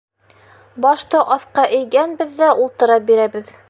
Башты аҫҡа эйгәнбеҙ ҙә ултыра бирәбеҙ.